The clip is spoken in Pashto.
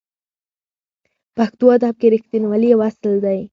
پښتو ادب کې رښتینولي یو اصل دی.